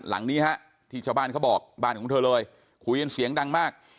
หลังนี้ฮะที่ชาวบ้านเขาบอกบ้านของเธอเลยคุยกันเสียงดังมาก